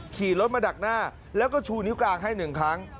ขี่รถมาดักหน้าแล้วก็ชูนิ้วกลางให้๑ครั้ง